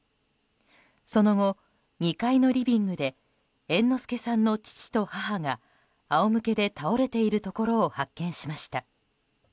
その後、２階のリビングで猿之助さんの父と母があおむけで倒れているところを発見しました。